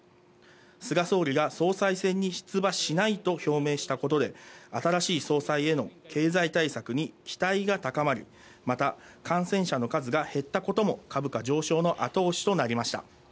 菅総理が総裁選に出馬しないと表明したことで、新しい総裁への経済対策に期待が高まり、また感染者の数が減ったことも株価上昇の後押しとなりました。